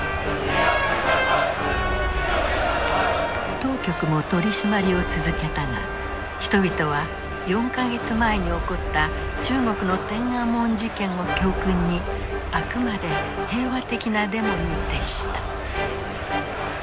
当局も取締りを続けたが人々は４か月前に起こった中国の天安門事件を教訓にあくまで平和的なデモに徹した。